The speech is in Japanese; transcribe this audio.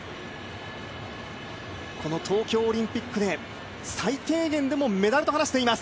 この東京オリンピックで最低限でもメダルと話しています。